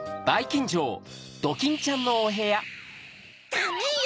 ダメよ！